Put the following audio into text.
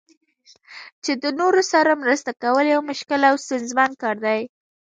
چې د نورو سره مرسته کول یو مشکل او ستونزمن کار دی.